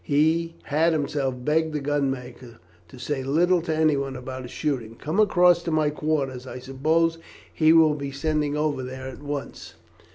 He had himself begged the gunmaker to say little to anyone about his shooting. "Come across to my quarters. I suppose he will be sending over there at once."